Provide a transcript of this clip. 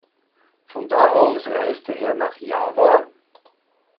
Von da aus reiste er nach Java.